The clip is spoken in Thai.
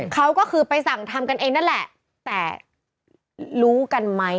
เขาก็คือไปสั่งทำกันเองนั่นแหละแต่รู้กันไหม